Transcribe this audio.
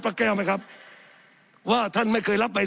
สับขาหลอกกันไปสับขาหลอกกันไป